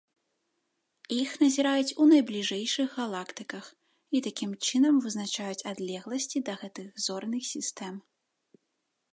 Іх назіраюць у найбліжэйшых галактыках і такім чынам вызначаюць адлегласці да гэтых зорных сістэм.